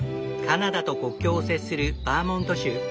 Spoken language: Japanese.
カナダと国境を接するバーモント州。